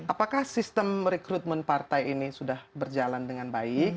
apakah sistem rekrutmen partai ini sudah berjalan dengan baik